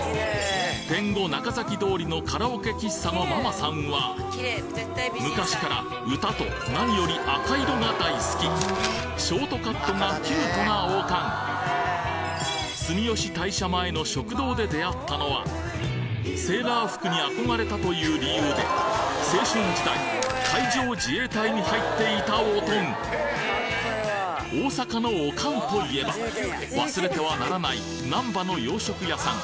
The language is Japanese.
天五中崎通りのカラオケ喫茶のママさんは昔から歌と何より赤色が大好きショートカットがキュートなオカン住吉大社前の食堂で出会ったのはセーラー服に憧れたという理由で青春時代海上自衛隊に入っていたオトン大阪のオカンといえば忘れてはならない難波の洋食屋さん